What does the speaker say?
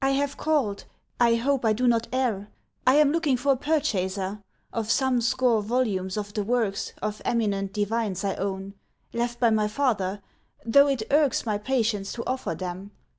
"I have called—I hope I do not err— I am looking for a purchaser Of some score volumes of the works Of eminent divines I own,— Left by my father—though it irks My patience to offer them."